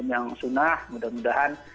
yang sunnah mudah mudahan